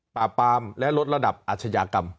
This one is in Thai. ปามและลดระดับอาชญากรรม